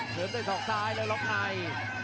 เสริมด้วยศอกซ้ายแล้วล็อกใน